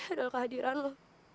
adalah kehadiran lo